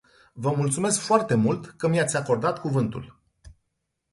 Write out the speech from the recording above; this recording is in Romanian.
Vă mulțumesc foarte mult că mi-ați acordat cuvântul.